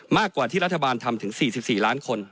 มากกว่าที่รัฐบาลทำถึง๔๔ล้านคน